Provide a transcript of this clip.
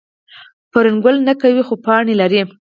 فرن ګل نه کوي خو پاڼې لري